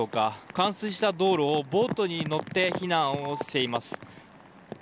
冠水した道路をボートに乗って避難をしています。